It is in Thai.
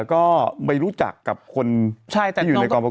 ก็ไม่รู้จักกับคนที่อยู่ในกองประก